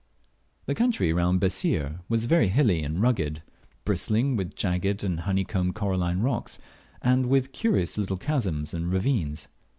The country round about Bessir was very hilly and rugged, bristling with jagged and honey combed coralline rocks, and with curious little chasms and ravines.